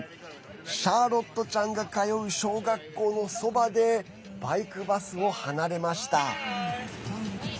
シャーロットちゃんが通う小学校のそばでバイクバスを離れました。